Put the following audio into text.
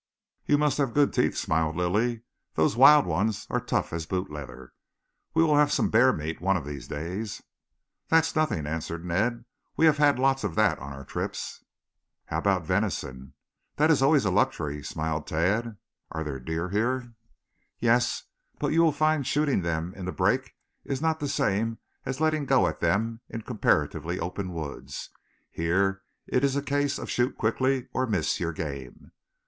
"You must have good teeth," smiled Lilly. "Those wild ones are tough as boot leather. We will have some bear meat one of these days." "That's nothing," answered Ned. "We have had lots of that on our trips." "How about venison?" "That always is a luxury," smiled Tad. "Are there deer here?" "Yes, but you will find shooting them in the brake is not the same as letting go at them in comparatively open woods. Here, it is a case of shoot quickly or miss your game."